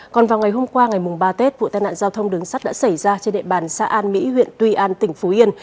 còn vào ngày hôm qua ngày ba tết vụ tai nạn giao thông đứng sắt đã xảy ra trên địa bàn xã an mỹ huyện tuy an tỉnh phú yên